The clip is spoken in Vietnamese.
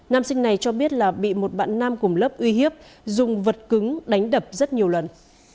nam sinh này cho biết là bị một bạn nam cùng lớp uy hiếp dùng vật cứng đánh đập rất nhiều lần